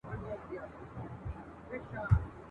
د پوهي ډېوه بله وساتئ!